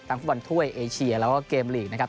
ฟุตบอลถ้วยเอเชียแล้วก็เกมลีกนะครับ